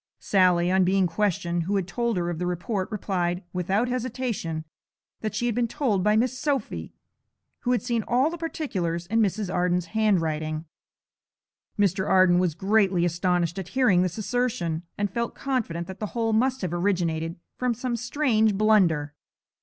Sally, on being questioned who had told her of the report replied, without hesitation, that she had been told by Miss Sophy, who had seen all the particulars in Mrs. Arden's handwriting. Mr. Arden was greatly astonished at hearing this assertion, and felt confident that the whole must have originated from some strange blunder.